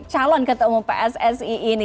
calon ketua umum pssi ini